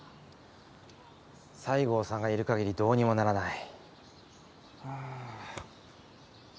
西郷さんがいるかぎりどうにもならない。